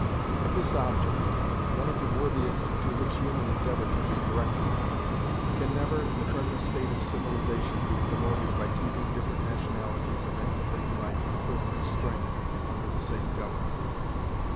But this object, one of the worthiest to which human endeavour can be directed, can never, in the present state of civilization, be promoted by keeping different nationalities of any thing like equivalent strength under the same government.